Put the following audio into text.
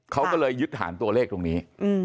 เขาก็เลยยึดฐานตัวเลขตรงนี้